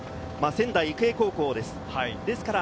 仙台育英高校です。